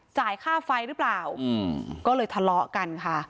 จ่ายค่าไฟหรือเปล่าก็เลยทะเลาะกันค่ะ